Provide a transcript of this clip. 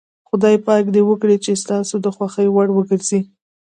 خدای پاک دې وکړي چې ستاسو د خوښې وړ وګرځي.